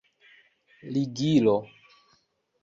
ligilo